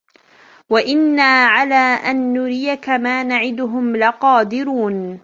وإنا على أن نريك ما نعدهم لقادرون